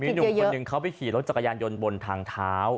หนุ่มคนหนึ่งเขาไปขี่รถจักรยานยนต์บนทางเท้า